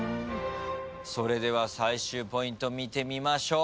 それでは最終ポイント見てみましょう。